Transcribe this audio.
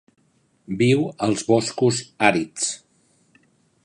Viu als boscos àrids.